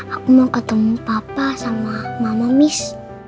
aku mau ketemu papa sama mama mis